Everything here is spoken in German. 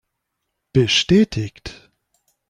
Bestätigt!